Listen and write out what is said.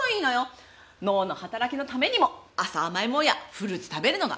脳の働きのためにも朝甘いものやフルーツ食べるのが。